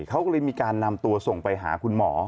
เขาก็เลยมีการนำตัวส่งไปหาคุณหมอ